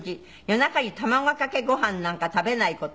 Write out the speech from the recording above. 「夜中に卵かけご飯なんか食べない事」